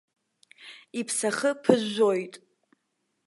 Иԥсахы ԥыжәжәоит.